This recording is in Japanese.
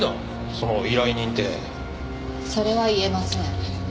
それは言えません。